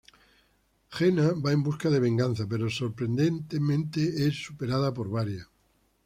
Xena va en busca de venganza, pero sorprendente mente es superada por Varía.